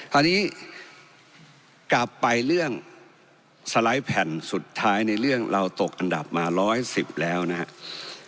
คราวนี้กลับไปเรื่องสไลด์แผ่นสุดท้ายในเรื่องเราตกอันดับมา๑๑๐แล้วนะครับ